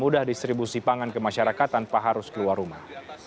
mudah distribusi pangan ke masyarakat tanpa harus keluar rumah